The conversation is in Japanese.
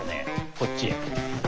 こっちへ。